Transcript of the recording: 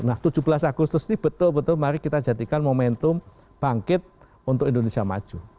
nah tujuh belas agustus ini betul betul mari kita jadikan momentum bangkit untuk indonesia maju